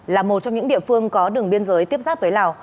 là một trong những địa phương có đường biên giới tiếp giáp với lào